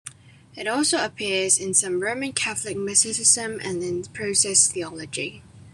It also appears in some Roman Catholic mysticism and in process theology.